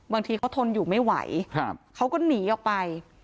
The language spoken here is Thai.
บางทีเขาทนอยู่ไม่ไหวเขาก็หนีออกไป